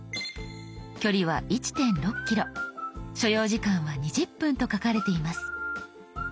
距離は１．６ｋｍ所要時間は２０分と書かれています。